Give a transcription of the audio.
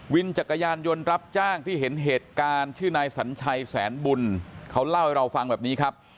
วินจักรยานยนต์รับจ้างที่เห็นเหตุการณ์ชื่อนายสัญชัยแสนบุญเขาเล่าให้เราฟังแบบนี้ครับ